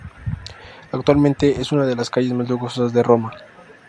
Actualmente es una de las calles más lujosas de Roma.